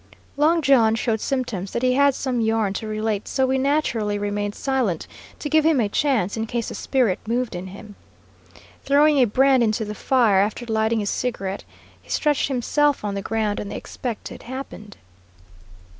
Long John showed symptoms that he had some yarn to relate, so we naturally remained silent to give him a chance, in case the spirit moved in him. Throwing a brand into the fare after lighting his cigarette, he stretched himself on the ground, and the expected happened.